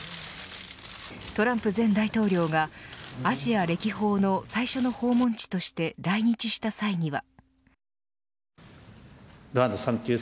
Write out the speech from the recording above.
トランプ前大統領がアジア歴訪の最初の訪問地として来日した際には。